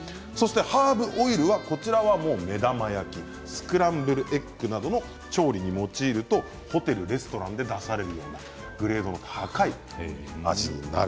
ハーブオイルは目玉焼きスクランブルエッグなどの調理に用いるとホテルやレストランで出されるグレードの高い味になる。